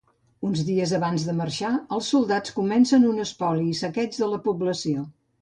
Uns dies abans de marxar, els soldats comencen un espoli i saqueig de la població.